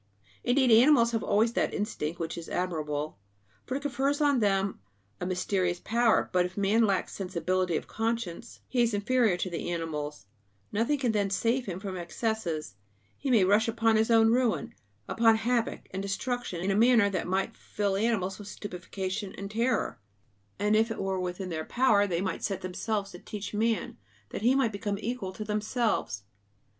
Indeed, animals have always that instinct which is admirable, for it confers on them a mysterious power; but if man lacks sensibility of conscience he is inferior to the animals; nothing can then save him from excesses; he may rush upon his own ruin, upon havoc and destruction in a manner that might fill animals with stupefaction and terror; and if it were in their power they might set themselves to teach man, that he might become equal to themselves.